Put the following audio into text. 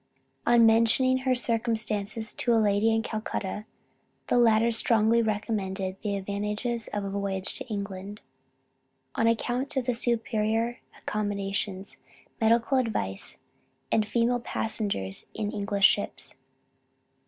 On mentioning her circumstances to a lady in Calcutta, the latter strongly recommended the advantages of a voyage to England, on account of the superior accommodations, medical advice, and female passengers in English ships.